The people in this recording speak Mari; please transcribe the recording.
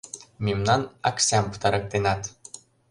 Мемнан аксям пытарыктенат...